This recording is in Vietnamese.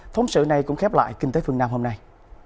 phóng sự này cũng khép lại kinh tế phương nam hôm nay